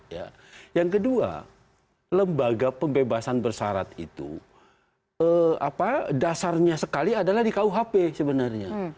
ya yang kedua lembaga pembebasan bersyarat itu dasarnya sekali adalah di kuhp sebenarnya